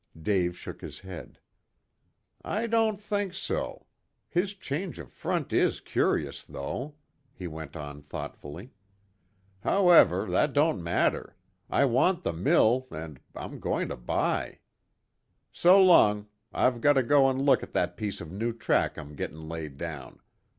Dave shook his head. "I don't think so. His change of front is curious, though," he went on thoughtfully. "However, that don't matter. I want the mill, and I'm going to buy. So long. I've got to go and look at that piece of new track I'm getting laid down.